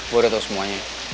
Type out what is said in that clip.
gue udah tahu semuanya